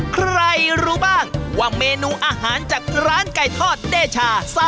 ใครรู้บ้างว่าเมนูอาหารจากร้านไก่ทอดเดชา